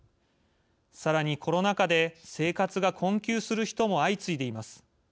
さらにコロナ禍で生活が困窮する人も相次いでいます。